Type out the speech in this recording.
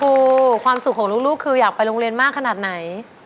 ครูความสุขของลูกคืออยากไปโรงเรียนมากขนาดไหน